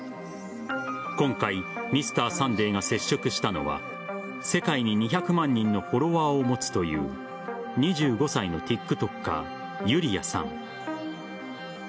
今回「Ｍｒ．サンデー」が接触したのは世界に２００万人のフォロワーを持つという２５歳のＴｉｋＴｏｋｅｒユリヤさん。